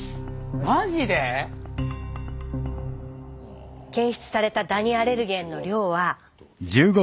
マジで⁉検出されたダニアレルゲンの量は。